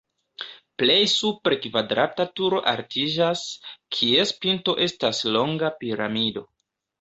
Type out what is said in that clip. Plej supre kvadrata turo altiĝas, kies pinto estas longa piramido.